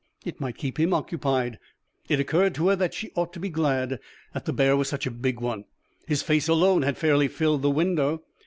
It might keep him occupied. It occurred to her that she ought to be glad that the bear was such a big one. His face alone had fairly filled the window.